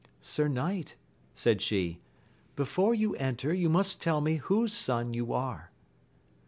Sir knight, said she, before you enter you must tell me whose son you are.